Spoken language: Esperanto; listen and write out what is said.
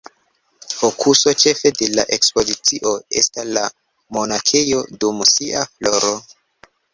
Fokuso ĉefa de la ekspozicio esta la monakejo dum sia floro.